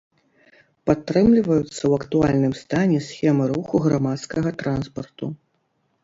Падтрымліваюцца ў актуальным стане схемы руху грамадскага транспарту.